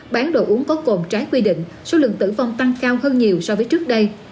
bán đồ uống có cồn trái quy định số lượng tử vong tăng cao hơn nhiều so với trước đây